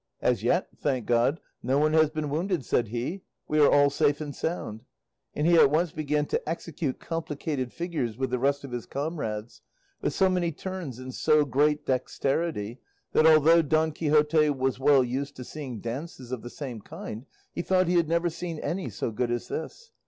"As yet, thank God, no one has been wounded," said he, "we are all safe and sound;" and he at once began to execute complicated figures with the rest of his comrades, with so many turns and so great dexterity, that although Don Quixote was well used to see dances of the same kind, he thought he had never seen any so good as this.